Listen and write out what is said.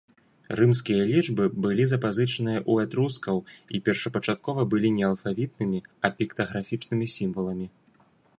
Рымскія лічбы былі запазычаныя ў этрускаў і першапачаткова былі не алфавітнымі, а піктаграфічнымі сімваламі.